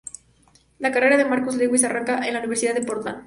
La carrera de Marcus Lewis arranca en la Universidad de Portland.